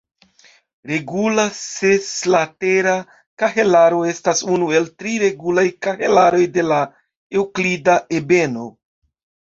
Regula seslatera kahelaro estas unu el tri regulaj kahelaroj de la eŭklida ebeno.